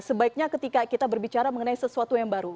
sebaiknya ketika kita berbicara mengenai sesuatu yang baru